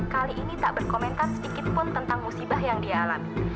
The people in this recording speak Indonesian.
kali ini tak berkomentar sedikit pun tentang musibah yang dia alami